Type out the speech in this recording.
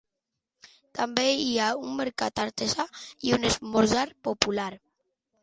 També hi ha un mercat artesà i un esmorzar popular.